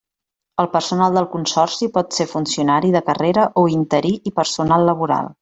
El personal del consorci pot ser funcionari de carrera o interí i personal laboral.